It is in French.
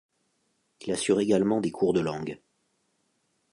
Il assure également des cours de langues.